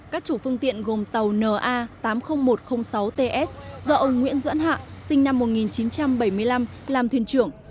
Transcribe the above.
các chủ phương tiện gồm tàu na tám mươi nghìn một trăm linh sáu ts do ông nguyễn doãn hạ sinh năm một nghìn chín trăm bảy mươi năm làm thuyền trưởng